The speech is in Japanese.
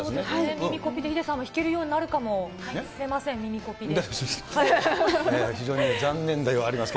耳コピでヒデさんも弾けるようになるかもしれません、耳コピ大丈夫ですか。